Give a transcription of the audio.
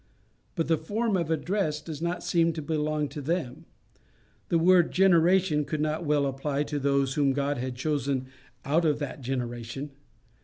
But the form of address does not seem to belong to them: the word generation could not well apply to those whom he had chosen out of that generation.